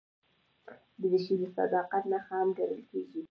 دریشي د صداقت نښه هم ګڼل کېږي.